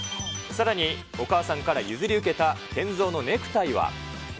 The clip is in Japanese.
さらにお母さんから譲り受けたケンゾーのネクタイは。